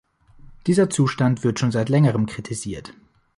Dieser Zustand wird schon seit längerem kritisiert.